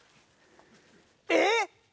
えっ？